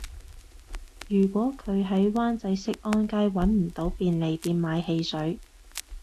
如果佢喺灣仔適安街搵唔到便利店買汽水